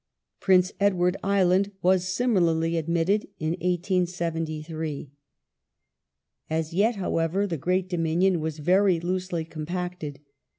Prince Edward Island was similarly admitted in 1873. The Red As yet, however, the Great Dominion was very loosely com ^^" pacted.